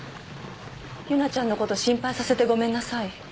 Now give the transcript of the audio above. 「優奈ちゃんのこと心配させてごめんなさい」